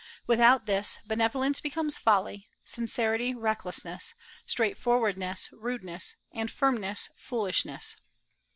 "Without this, benevolence becomes folly, sincerity recklessness, straightforwardness rudeness, and firmness foolishness."